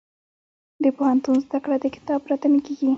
د پوهنتون زده کړه د کتاب پرته نه کېږي.